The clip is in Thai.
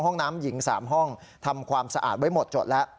ห้องน้ำหญิง๓ห้องทำความสะอาดไว้หมดจดแล้ว